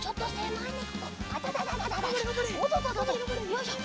よいしょ。